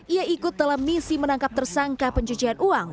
ia ikut dalam misi menangkap tersangka pencucian uang